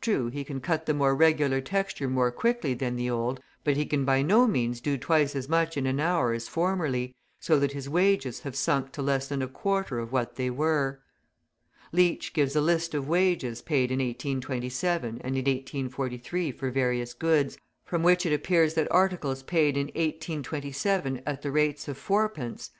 true, he can cut the more regular texture more quickly than the old, but he can by no means do twice as much in an hour as formerly, so that his wages have sunk to less than a quarter of what they were. Leach gives a list of wages paid in 1827 and in 1843 for various goods, from which it appears that articles paid in 1827 at the rates of 4d., 2.